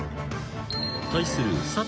［対する佐藤康光